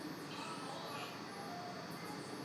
urdin suleman inakuja na taarifa zaidi